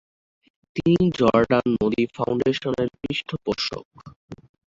তিনি জর্ডান নদী ফাউন্ডেশনের পৃষ্ঠপোষক।